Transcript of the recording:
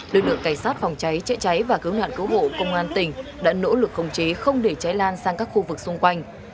lực lượng cảnh sát phòng cháy chữa cháy và cứu nạn cứu hộ công an tỉnh đã nỗ lực khống chế không để cháy lan sang các khu vực xung quanh